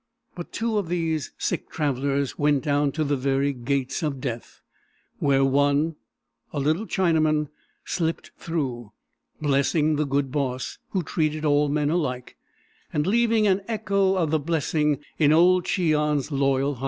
But two of these sick travellers went down to the very gates of death, where one, a little Chinaman, slipped through, blessing the "good boss," who treated all men alike, and leaving an echo of the blessing in old Cheon's loyal heart.